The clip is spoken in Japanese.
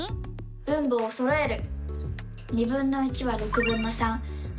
分母をそろえる！